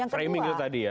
framing itu tadi ya